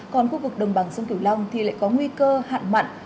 còn khu vực đồng bằng sông kiểu long thì lại có nguy cơ hạn mặn